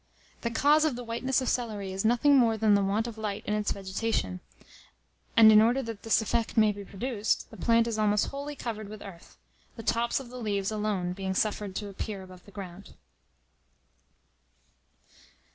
The cause of the whiteness of celery is nothing more than the want of light in its vegetation, and in order that this effect may be produced, the plant is almost wholly covered with earth; the tops of the leaves alone being suffered to appear above the ground.